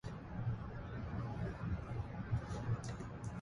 His younger brother Chris was a catcher for the Cleveland Indians.